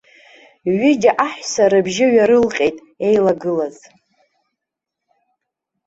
Ҩыџьа аҳәса рыбжьы ҩарылҟьеит еилагылаз.